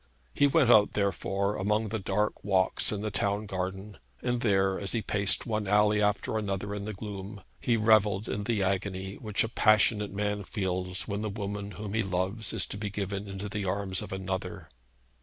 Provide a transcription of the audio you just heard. He went out, therefore, among the dark walks in the town garden, and there, as he paced one alley after another in the gloom, he revelled in the agony which a passionate man feels when the woman whom he loves is to be given into the arms of another.